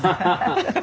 ハハハハッ